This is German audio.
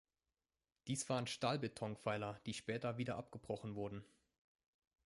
Dies waren Stahlbetonpfeiler, die später wieder abgebrochen wurden.